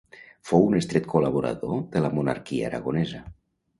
Fou un estret col·laborador de la monarquia aragonesa.